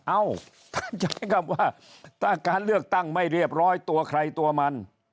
เอ้าท่านใช้คำว่าถ้าการเลือกตั้งไม่เรียบร้อยตัวใครตัวมัน